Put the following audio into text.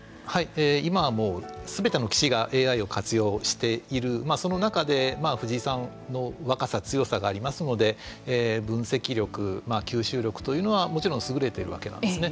今はもうすべての棋士がＡＩを活用しているその中で藤井さんの若さ強さがありますので分析力吸収力というのはもちろん優れているわけなんですね。